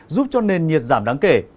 giúp cho nền nhiệt giảm đáng kể